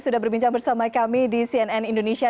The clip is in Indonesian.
sudah berbincang bersama kami di cnn indonesia